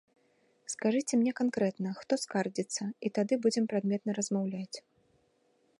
Скажыце мне канкрэтна, хто скардзіцца, і тады будзем прадметна размаўляць.